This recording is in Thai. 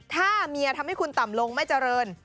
ถ้าเมียทำให้คุณต่ำลงไม่เจริญ